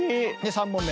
３問目。